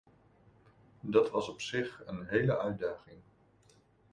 Dat was op zich een hele uitdaging.